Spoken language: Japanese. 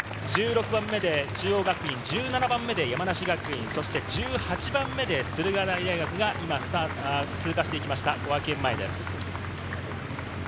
１６番目で中央学院、１７番目で山梨学院、１８番目で駿河台大学が今通過していきました、小涌園前です。